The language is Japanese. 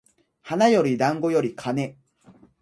花より団子より金